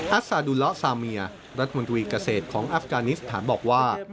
ัสซาดุละซาเมียรัฐมนตรีเกษตรของอัฟกานิสถานบอกว่า